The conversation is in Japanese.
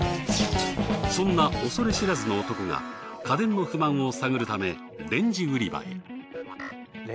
そんな恐れ知らずの男が家電の不満を探るためレンジ売り場へ。